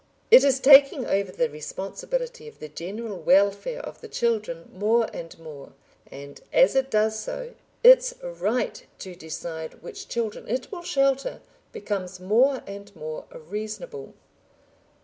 It is taking over the responsibility of the general welfare of the children more and more, and as it does so, its right to decide which children it will shelter becomes more and more reasonable.